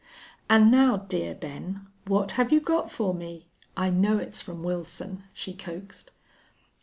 "And now, dear Ben what have you got for me? I know it's from Wilson," she coaxed.